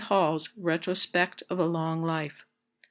Hall's Retrospect of a long Life.